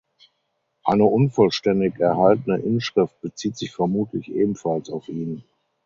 Eine unvollständig erhaltene Inschrift bezieht sich vermutlich ebenfalls auf ihn.